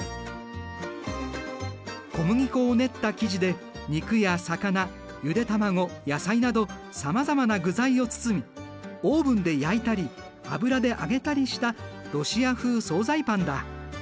小麦粉を練った生地で肉や魚ゆで卵野菜などさまざまな具材を包みオーブンで焼いたり油で揚げたりしたロシア風総菜パンだ。